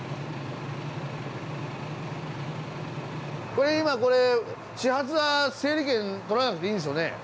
これ今これ始発は整理券取らなくていいんですよね？